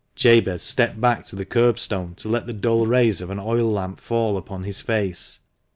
Jabez stepped back to the kerbstone to let the dull rays of an oil lamp fall upon his face.